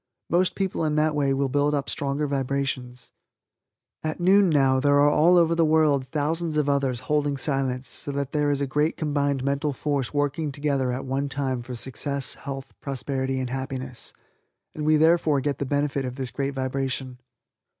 Most people in that way will build up stronger vibrations. At noon now there are all over the world thousands of others holding Silence so that there is a great combined mental force working together at one time for success, health, prosperity and happiness, and we therefore get the benefit of this great vibration.